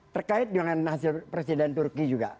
terkait dengan hasil presiden turki juga